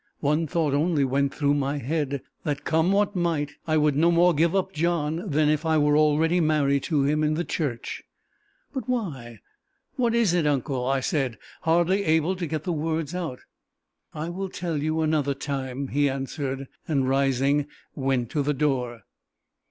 One thought only went through my head that, come what might, I would no more give up John, than if I were already married to him in the church. "But why what is it, uncle?" I said, hardly able to get the words out. "I will tell you another time," he answered, and rising, went to the door.